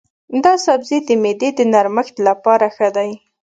دا سبزی د معدې د نرمښت لپاره ښه دی.